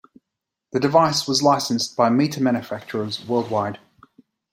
The device was licensed by meter manufacturers worldwide.